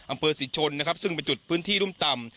อำเภอศรีชนนะครับซึ่งเป็นจุดพื้นที่รุ่มต่ำ